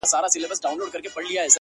ستا د نظر پلويان څومره په قهريږي راته.!